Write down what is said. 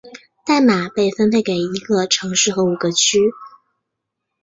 代码被分配给一个城市和五个区。